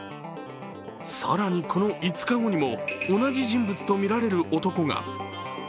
更に、この５日後にも同じ人物とみられる男が。